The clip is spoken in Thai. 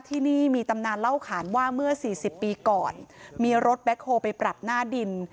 ที่นี่มีตำนานเล่าขานว่าเมื่อสี่สิบปีก่อนมีรถแบ็คโฮลไปปรับหน้าดิน